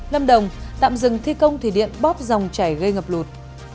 lâm đồng tạm dừng thi công thủy điện bóp dòng chảy gây ngập lụt